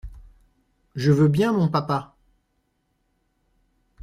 Je veux bien, mon papa.